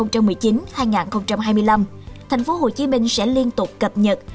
thành phố hồ chí minh sẽ liên tục cập nhật